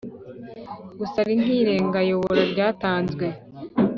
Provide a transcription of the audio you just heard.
gusa ari nk irengayobora ryatanzwe